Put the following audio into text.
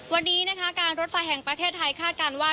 วันนี้นะคะการรถไฟแห่งประเทศไทยคาดการณ์ว่า